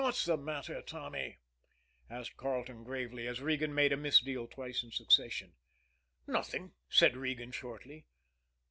"What's the matter, Tommy?" asked Carleton gravely, as Regan made a misdeal twice in succession. "Nothing," said Regan shortly.